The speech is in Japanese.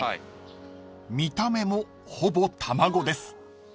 ［見た目もほぼ卵です］